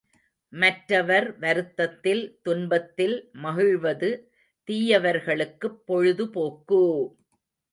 மற்றவர் வருத்தத்தில் துன்பத்தில் மகிழ்வது தீயவர்களுக்குப் பொழுதுபோக்கு!